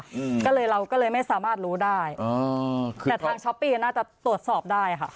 อืมก็เลยเราก็เลยไม่สามารถรู้ได้อ๋อแต่ทางช้อปปี้น่าจะตรวจสอบได้ค่ะ